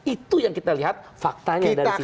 itu yang kita lihat faktanya dari sisi kita